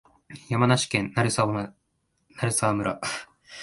山梨県鳴沢村